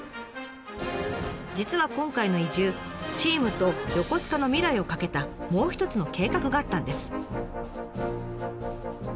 実は今回の移住チームと横須賀の未来を懸けたもう一つの計画があったんです。